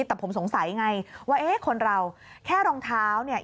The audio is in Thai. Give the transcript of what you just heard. แต่ผมสงสัยไงว่าเอ๊ะคนเราแค่รองเท้าเนี่ย